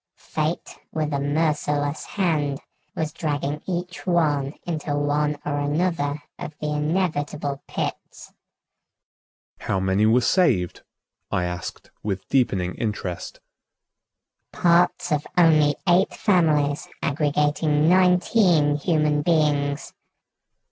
Fate, with a merciless hand, was dragging each one into one or another of the inevitable pits." "How many were saved?" I asked with deepening interest. "Parts of only eight families aggregating nineteen human beings."